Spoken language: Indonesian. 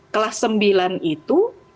kelas sembilan itu